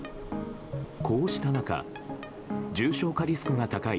こうした中重症化リスクが高い